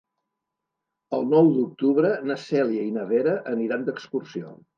El nou d'octubre na Cèlia i na Vera aniran d'excursió.